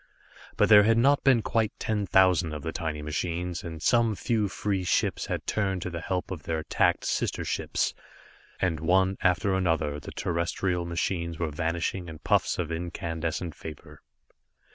But there had not been quite ten thousand of the tiny machines, and some few free ships had turned to the help of their attacked sister ships. And one after another the terrestrial machines were vanishing in puffs of incandescent vapor.